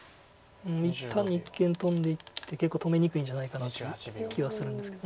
単に一間トンでいって結構止めにくいんじゃないかなって気はするんですけど。